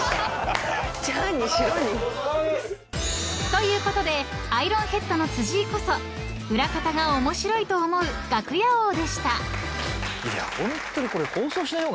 ［ということでアイロンヘッドの辻井こそ裏方が面白いと思う楽屋王でした］